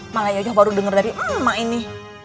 malah yo yo baru dengar dari emak ini